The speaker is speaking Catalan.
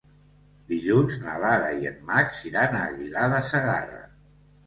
Dilluns na Lara i en Max iran a Aguilar de Segarra.